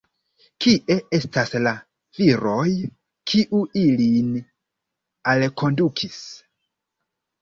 Kie estas la viroj, kiuj ilin alkondukis?